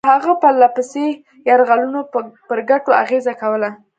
د هغه پرله پسې یرغلونو پر ګټو اغېزه کوله.